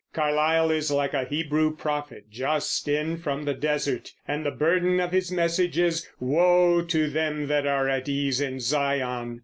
Carlyle is like a Hebrew prophet just in from the desert, and the burden of his message is, "Woe to them that are at ease in Zion!"